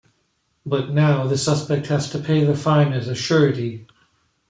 But now, the suspect has to pay the fine as a surety.